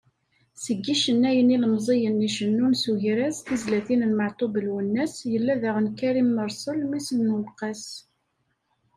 Seg yicennayen ilemẓiyen i icennun s ugerrez tizlatin n Meɛtub Lwennas, yella daɣen Karim Mersel, mmi-s n Uweqqas.